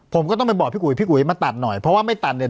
ผมก็ต้องไปบอกพี่อุ๋ยพี่อุ๋ยมาตัดหน่อยเพราะว่าไม่ตัดเนี่ย